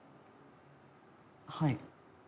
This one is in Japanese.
はい。